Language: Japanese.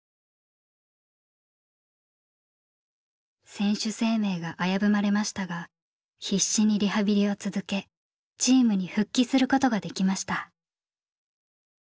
選手生命が危ぶまれましたが必死にリハビリを続けチームに復帰することができました。